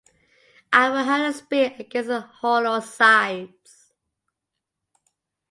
I will hurl a spear against its hollow sides.